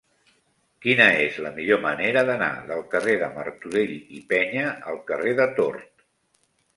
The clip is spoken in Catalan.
Quina és la millor manera d'anar del carrer de Martorell i Peña al carrer de Tort?